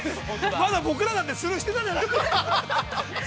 ◆まだ僕らだってスルーしてたじゃないですか。